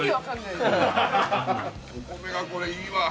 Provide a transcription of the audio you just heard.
お米がこれいいわ！